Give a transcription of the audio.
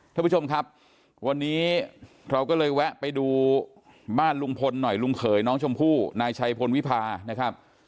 ท่านผู้ชมครับวันนี้เราก็เลยแวะไปดูบ้านลุงพลหน่อยลุงเขยน้องชมพู่นายชัยพลวิพานะครับ